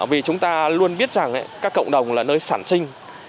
vì chúng ta luôn biết rằng các cộng đồng là nơi sản sinh